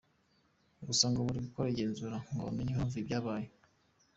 Gusa ngo buri gukora igenzura ngo bumenye impamvu byabaye.